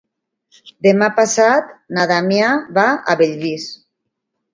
Demà passat na Damià va a Bellvís.